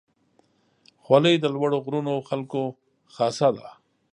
خولۍ د لوړو غرونو خلکو خاصه ده.